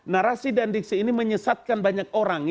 narasi dan diksi ini menyesatkan banyak orang